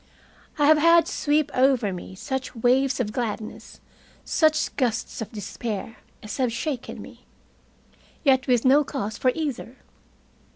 I have had sweep over me such waves of gladness, such gusts of despair, as have shaken me. Yet with no cause for either.